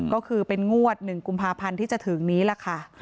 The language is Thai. ก็คือเป็นงวด๑กุมภาพันธ์ที่จะถึงนี้ล่ะค่ะ